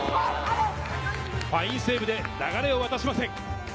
ファインセーブで流れを渡しません。